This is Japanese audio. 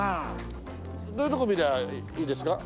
どういうとこ見ればいいですか？